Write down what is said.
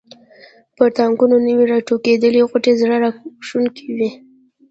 پر تاکانو نوي راټوکېدلي غوټۍ زړه راکښونکې وې.